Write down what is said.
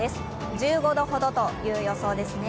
１５度ほどという予想ですね。